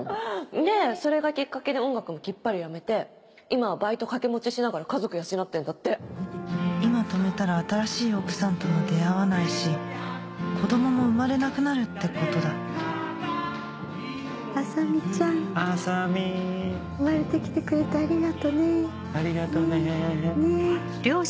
でそれがきっかけで音楽もきっぱりやめて今はバイト掛け持ちしながら家族養ってんだって今止めたら新しい奥さんとも出会わないし子供も生まれなくなるってことだ生まれてきてくれてありがありがとね